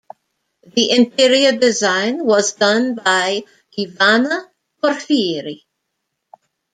The interior design was done by Ivana Porfiri.